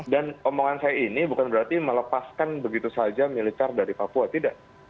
dan omongan saya ini bukan berarti melepaskan begitu saja militer dari papua tidak